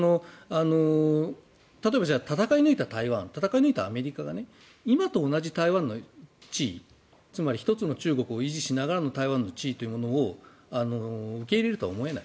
例えば戦い抜いた台湾戦い抜いたアメリカが今と同じ台湾の地位つまり一つの中国を維持しながらの台湾の地位というものを受け入れるとは思えない。